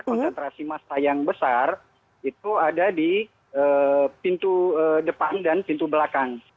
konsentrasi massa yang besar itu ada di pintu depan dan pintu belakang